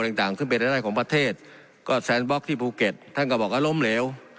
ต่างต่างขึ้นไปได้ของประเทศก็ที่ภูเก็ตท่านก็บอกว่าล้มเหลว